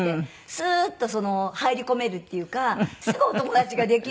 スーッと入り込めるっていうかすぐお友達ができる。